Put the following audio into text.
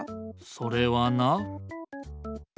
それはな。